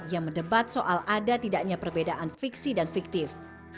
yang mendebat soal ada tidaknya perbedaan fiksi dan fiktif